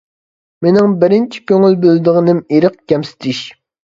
مېنىڭ بىرىنچى كۆڭۈل بۆلىدىغىنىم ئىرق كەمسىتىش.